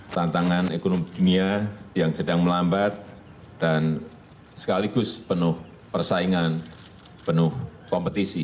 tantangan ekonomi dunia yang sedang melambat dan sekaligus penuh persaingan penuh kompetisi